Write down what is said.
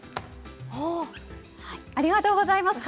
ありがとうございます。